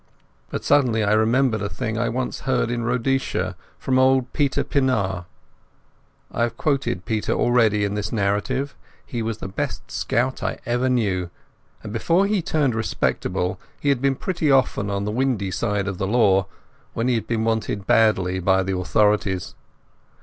But suddenly I remembered a thing I once heard in Rhodesia from old Peter Pienaar. I have quoted Peter already in this narrative. He was the best scout I ever knew, and before he had turned respectable he had been pretty often on the windy side of the law, when he had been wanted badly by the authorities.